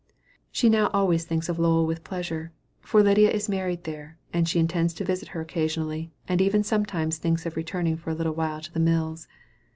She now always thinks of Lowell with pleasure, for Lydia is married here, and she intends to visit her occasionally, and even sometimes thinks of returning for a little while to the mills.